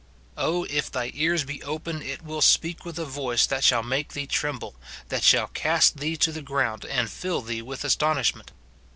Oh ! if thy ears be open, it will speak with a voice that shall make thee tremble, that shall cast thee to the ground, and fill thee with astonishment.